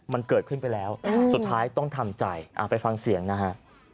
มันเกิดขึ้นไปแล้วสุดท้ายต้องทำใจไปฟังเสียงนะฮะ